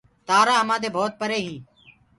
تآرآ همآدي بهوت پري هينٚ